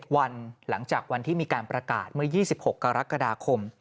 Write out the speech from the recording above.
วันหลังจากวันที่มีการประกาศเมื่อ๒๖กรกฎาคม